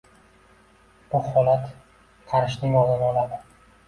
Bu holat qarishning oldini oladi.